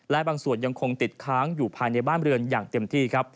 และบางส่วนยังคงติดค้างอยู่ภายในบ้านเรือนอย่างเต็มที่ครับ